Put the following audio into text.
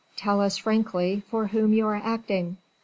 Tell us frankly, for whom you are acting.